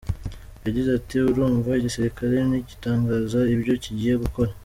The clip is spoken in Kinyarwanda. Yagize ati: “Urumva..igisirikare ntigitangaza ibyo kigiye gukora.